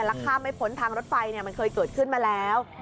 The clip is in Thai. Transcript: ราคาไม่ผลทางรถไฟมันเคยเกิดขึ้นมาแล้ว